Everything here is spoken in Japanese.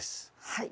はい。